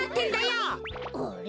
あれ？